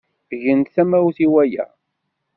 Grent tamawt i waya.